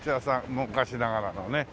昔ながらのね。